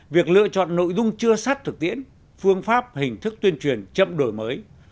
việc lựa chọn nội dung chưa sát thực tiễn phương pháp hình thức tuyên truyền chậm đổi mới